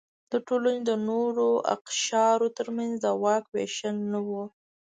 د ټولنې د نورو اقشارو ترمنځ د واک وېشل نه و.